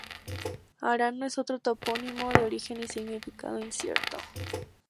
Arano es otro topónimo de origen y significado incierto.